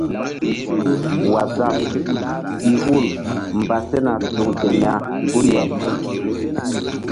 Waazap i hul mba sena tuŋ ten ya guri-ah.